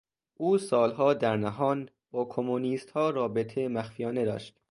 او سالها در نهان با کمونیستها رابطه مخفیانه داشت.